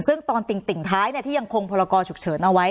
ซึ่งตอนติ่งท้ายที่ยังคงพรกรฉุกเฉินเอาไว้